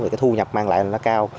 và cái thu nhập mang lại nó cao